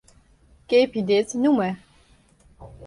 Keapje dit nûmer.